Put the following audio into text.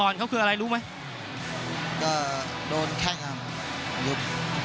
สวัสดีครับ